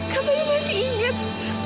kamu masih ingat